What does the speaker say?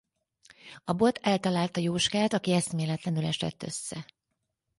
A bot eltalálta Jóskát aki eszméletlenül esett össze.